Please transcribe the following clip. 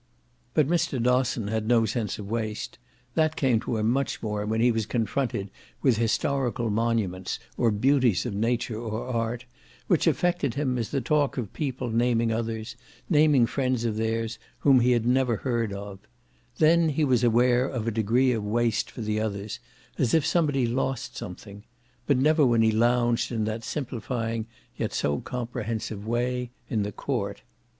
But Mr. Dosson had no sense of waste: that came to him much more when he was confronted with historical monuments or beauties of nature or art, which affected him as the talk of people naming others, naming friends of theirs, whom he had never heard of: then he was aware of a degree of waste for the others, as if somebody lost something but never when he lounged in that simplifying yet so comprehensive way in the court.